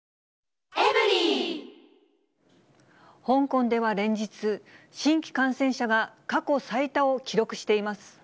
香港では連日、新規感染者が過去最多を記録しています。